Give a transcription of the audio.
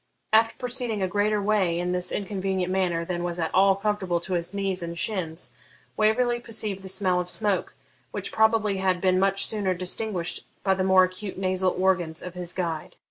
After proceeding a greater way in this inconvenient manner than was at all comfortable to his knees and shins, Waverley perceived the smell of smoke, which probably had been much sooner distinguished by the more acute nasal organs of his guide.